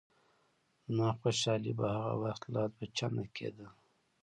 زما خوشحالي به هغه وخت لا دوه چنده کېده.